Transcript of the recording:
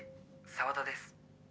沢田です。